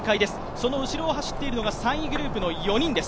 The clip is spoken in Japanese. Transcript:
その後ろを走っているのが３位グループの４人です。